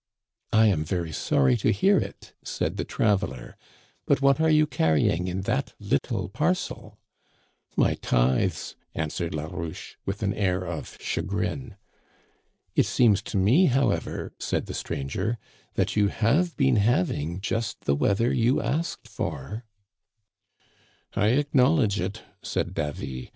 "* I am very sorry to hear it,' said the traveler, * but what are you carrying in that little parcel ?' "*My tithes,' answered Larouche, with an air of chagrin. Digitized by VjOOQIC 54 THE CANADIANS OF OLD. It seems to me, however/ said the stranger, * that you have been having just the weather you asked for.' "* I acknowledge it,' said Davy.